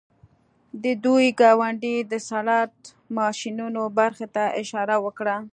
د دوی ګاونډۍ د سلاټ ماشینونو برخې ته اشاره وکړه